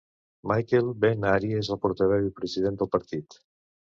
Michael Ben-Ari és el portaveu i president del partit.